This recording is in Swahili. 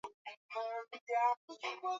ukhalifa wa Waabbasi na Milki ya Bizanti